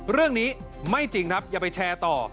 เรื่องนี้ไม่จริงครับอย่าไปแชร์ต่อ